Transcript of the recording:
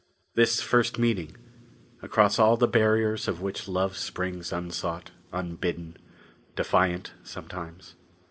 The first meeting, across all the barriers of which love springs unsought, unbidden defiant, sometimes.